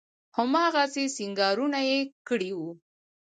هماغسې سينګارونه يې کړي وو.